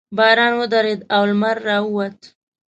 باران ودرېد او لمر راووت.